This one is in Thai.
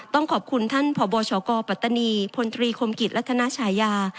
ต้องขอบคุณท่านพบชกปัตตานีพลตรีคมกิจรัฐนาฉายา